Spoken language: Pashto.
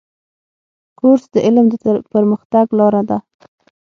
کورس د علم د پرمختګ لاره ده.